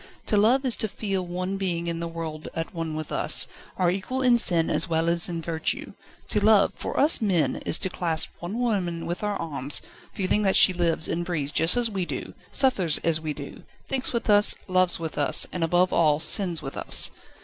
To love is to feel one being in the world at one with us, our equal in sin as well as in virtue. To love, for us men, is to clasp one woman with our arms, feeling that she lives and breathes just as we do, suffers as we do, thinks with us, loves with us, and, above all, sins with us.